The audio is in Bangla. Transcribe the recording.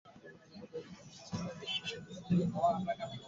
কলঙ্কিত ভাইয়ের বোনকে বিয়ে করতে গিয়ে তাঁকে সামরিক বাহিনীর অনুমতি নিতে হয়েছিল।